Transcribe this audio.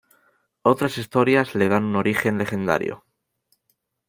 Otras historias le dan un origen legendario.